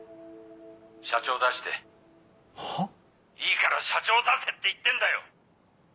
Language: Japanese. いいから社長出せって言ってんだよ！